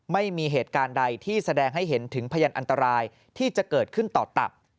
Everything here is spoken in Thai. ไม่มีเหตุการณ์ใดที่แสดงให้เห็นถึงพยานอันตรายที่จะเกิดขึ้นต่อตับ